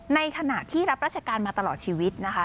ในขณะที่รับราชการมาตลอดชีวิตนะคะ